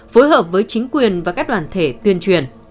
phối hợp với chính quyền và các đoàn thể tuyên truyền